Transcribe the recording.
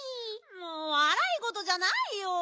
もうわらいごとじゃないよ！